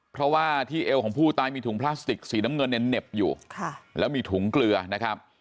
เพราะว่าที่เอวของผู้ตายมีถุงพลาสติกสีน้ำเงินเนี่ยเหน็บอยู่แล้วมีถุงเกลือนะครับ